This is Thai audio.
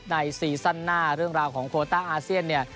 ซีซั่นหน้าเรื่องราวของโคต้าอาเซียนเนี่ย